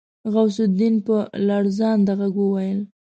غوث الدين په لړزانده غږ وويل.